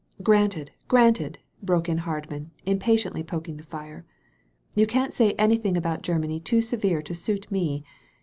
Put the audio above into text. ^'Granted, granted," broke in Hardman, impa tiently poking the fire. "You can't say anything about Grennany too severe to suit me.